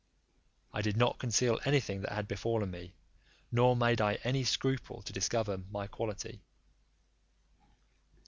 I did not conceal anything that had befallen me, nor made I any scruple to discover my quality.